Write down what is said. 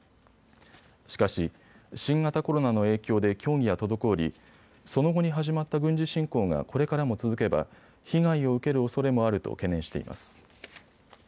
しかし、新型コロナの影響で協議は滞りその後に始まった軍事侵攻がこれからも続けば被害を受けるおそれもあると懸念しています。